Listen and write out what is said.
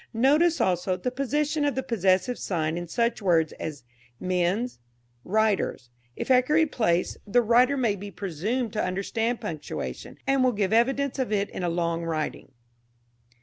Notice, also, the position of the possessive sign in such words as "men's," "writer's." If accurately placed, the writer may be presumed to understand punctuation, and will give evidence of it in a long writing.